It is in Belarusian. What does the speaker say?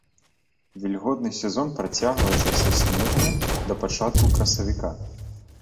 Вільготны сезон працягваецца са снежня да пачатку красавіка.